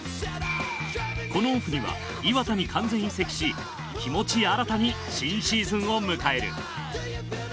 このオフには磐田に完全移籍し気持ち新たに新シーズンを迎える。